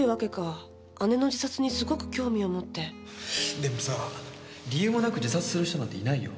でもさ理由もなく自殺する人なんていないよ。